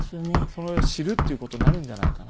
それを知るっていう事になるんじゃないかなと。